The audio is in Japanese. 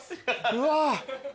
うわ。